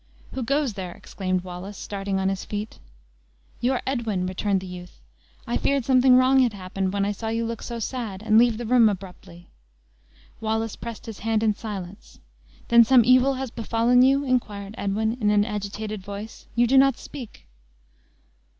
"Who goes there?" exclaimed Wallace, starting on his feet. "Your Edwin," returned the youth. "I feared something wrong had happened, when I saw you look so sad, and leave the room abruptly." Wallace pressed his hand in silence. "Then some evil has befallen you?" inquired Edwin, in an agitated voice; "you do not speak!"